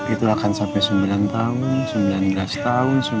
itu akan sampai sembilan tahun sembilan belas tahun sembilan puluh tahun ke depan akan sama